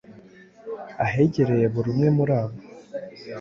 ahegereye buri umwe muri abo